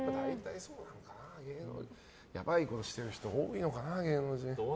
やばいことしてる人多いのかな、芸能人。